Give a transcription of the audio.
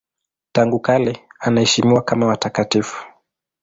Tangu kale anaheshimiwa kama watakatifu.